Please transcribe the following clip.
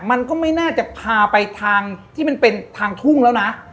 มันก็ไม่น่าจะพาไปทางที่มันเป็นทางทุ่งแล้วนะ